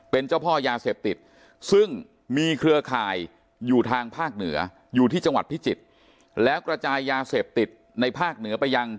เป็นเจ้าพ่อยาเสพติดซึ่งมีเครือข่ายอยู่ทางภาคเหนืออยู่ที่จังหวัดพิจิตรแล้วกระจายยาเสพติดในภาคเหนือไปยัง